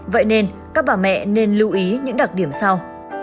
vậy nên các bà mẹ nên lưu ý những đặc điểm sau